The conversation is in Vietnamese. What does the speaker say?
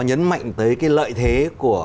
nhấn mạnh tới cái lợi thế của